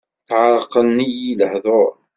Ɛerqen-iyi lehduṛ.